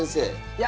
いや。